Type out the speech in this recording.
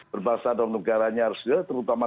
berbahasa dan negaranya harusnya terutama